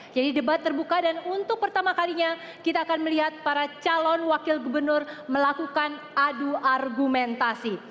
jadi debat terbuka dan untuk pertama kalinya kita akan melihat para calon wakil gubernur melakukan adu argumentasi